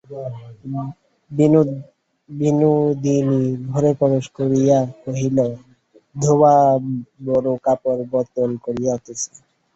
বিনোদিনী ঘরে প্রবেশ করিয়া কহিল, ধোবা বড়ো কাপড় বদল করিতেছে।